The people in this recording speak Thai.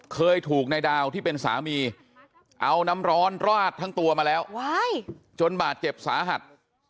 เคยถูกนายดาวที่เป็นสามีเอาน้ำร้อนราดทั้งตัวมาแล้วจนบาดเจ็บสาหัส